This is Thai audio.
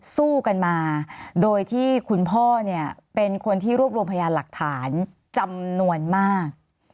สู้กันมาโดยที่คุณพ่อเนี่ยเป็นคนที่รวบรวมพยานหลักฐานจำนวนมาก